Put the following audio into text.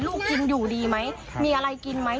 ลูกกินอยู่ดีไหมมีอะไรกินไหม